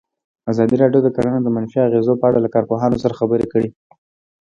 ازادي راډیو د کرهنه د منفي اغېزو په اړه له کارپوهانو سره خبرې کړي.